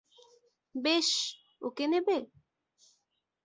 বেশ, ওকে নেবে?